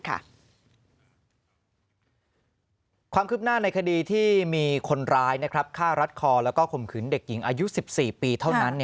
ความคืบหน้าในคดีที่มีคนร้ายฆ่ารัดคอแล้วก็ข่มขืนเด็กหญิงอายุ๑๔ปีเท่านั้น